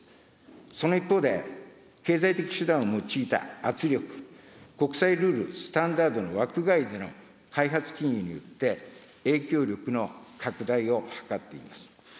その一方で、経済的手段を用いた圧力、国際ルール・スタンダードの枠外での開発金融によって、影響力の拡大を図っています。